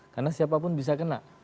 karena siapapun bisa kena